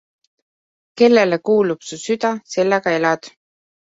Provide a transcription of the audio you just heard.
Kellele kuulub su süda, sellega elad.